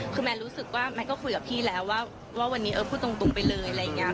คือแมนรู้สึกว่าแมนก็คุยกับพี่แล้วว่าวันนี้พูดตรงไปเลยอะไรอย่างนี้